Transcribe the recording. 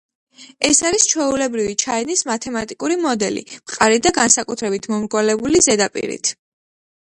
ეს არის ჩვეულებრივი ჩაიდნის მათემატიკური მოდელი, მყარი და განსაკუთრებით მომრგვალებული ზედაპირით.